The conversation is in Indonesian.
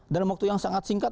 dalam waktu yang sangat singkat